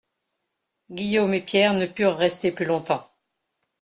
Guillaume et Pierre ne purent rester plus longtemps.